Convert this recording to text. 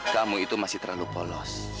kamu itu masih terlalu polos